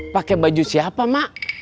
pake baju siapa mak